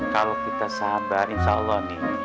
kalau kita sabar insya allah nih